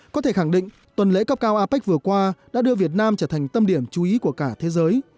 có thể khẳng định tuần lễ cấp cao apec vừa qua đã đưa việt nam trở thành tâm điểm chú ý của cả thế giới